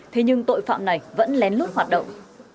thế nhưng tội phạm này vẫn lén lút hoạt động